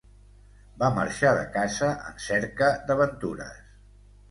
Va marxar de casa en cerca d'aventures.